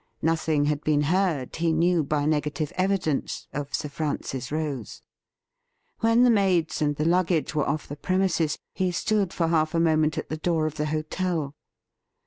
Nothing had been heard, he knew by negative evidence, of Sir Francis Rose. When the maids and the luggage were off the premises, he stood for half a moment at the door of the hotel.